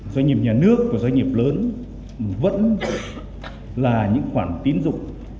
doanh nghiệp nhà nước và doanh nghiệp lớn vẫn là những khoản tín dụng